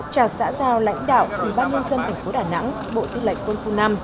chào xã giao lãnh đạo từ ba mươi dân thành phố đà nẵng bộ tư lệnh quân khu năm